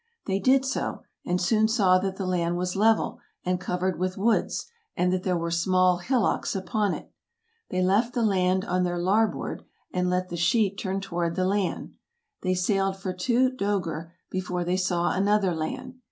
They did so, and soon saw that the land was level, and covered with woods, and that there were small hillocks upon it. They left the land on their larboard, and let the sheet turn toward the land. They sailed for two " dcegr " before they saw another land.